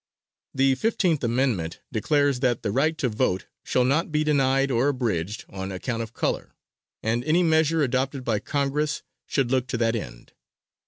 The Fifteenth Amendment declares that the right to vote shall not be denied or abridged on account of color; and any measure adopted by Congress should look to that end.